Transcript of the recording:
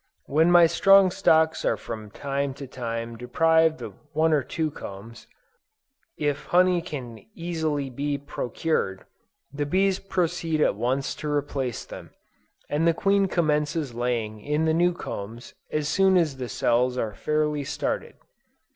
When my strong stocks are from time to time deprived of one or two combs, if honey can easily be procured, the bees proceed at once to replace them, and the queen commences laying in the new combs as soon as the cells are fairly started.